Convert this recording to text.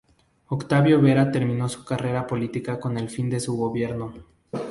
Octaviano Vera terminó su carrera política con el fin de su gobierno.